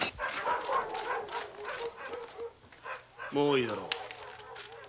もういいだろう。